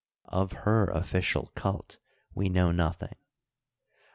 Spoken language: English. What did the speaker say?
Of her official cult we know noth ing.